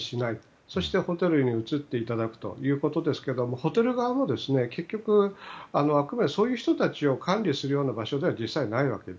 そしてホテルに移っていただくということですけどもホテル側も結局、あくまでそういう人たちを管理するような場所ではないわけで。